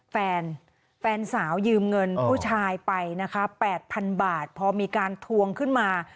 แฟนแฟนสาวยืมเงินผู้ชายไปนะคะ๘๐๐๐บาทพอมีการทวงขึ้นมา